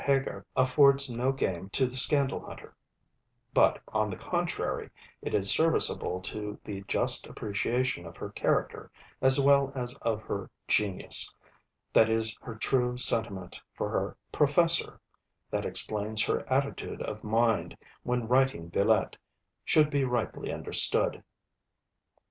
Heger affords no game to the scandal hunter; but, on the contrary, it is serviceable to the just appreciation of her character, as well as of her genius, that her true sentiment for her Professor that explains her attitude of mind when writing 'Villette' should be rightly understood.